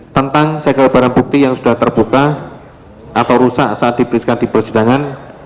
tentang segel barang bukti yang sudah terbuka atau rusak saat diberikan di persidangan